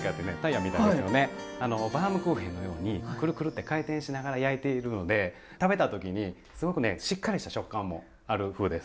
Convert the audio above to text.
バウムクーヘンのようにくるくるって回転しながら焼いているので食べた時にすごくねしっかりした食感もある麩です。